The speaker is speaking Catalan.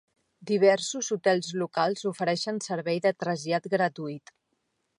Diversos hotels locals ofereixen servei de trasllat gratuït.